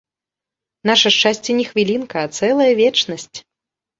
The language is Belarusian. Наша шчасце не хвілінка, а цэлая вечнасць.